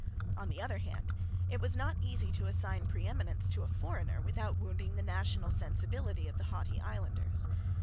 On the other band it was not easy to assign preeminence to a foreigner without wounding the national sensibility of the haughty islanders.